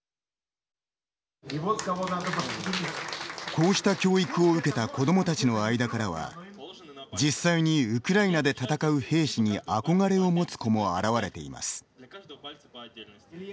こうした教育を受けた子どもたちの間からは実際にウクライナで戦う兵士に憧れを持つ子も現れています。